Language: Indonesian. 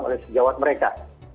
oleh sejawat mereka